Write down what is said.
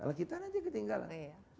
kalau kita nanti ketinggalan